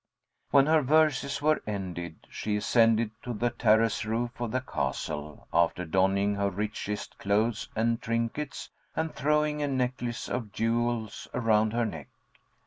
When her verses were ended, she ascended to the terrace roof of the castle after donning her richest clothes and trinkets and throwing a necklace of jewels around her neck.